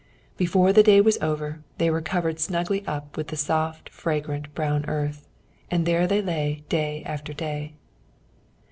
Before the day was over, they were covered snugly up with the soft, fragrant, brown earth, and there they lay day after day.